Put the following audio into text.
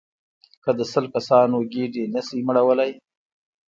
که د سل کسانو ګېډې نه شئ مړولای.